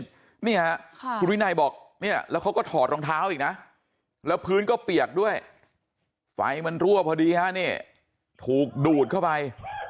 นี่ค่ะคุณวินัยบอกเนี่ยแล้วเขาก็ถอดรองเท้าอีกนะแล้วพื้นก็เปียกด้วยไฟมันรั่วพอดีฮะนี่ถูกดูดเข้าไป